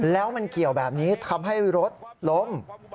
แล้วมันเกี่ยวแบบนี้ทำให้รถล้ม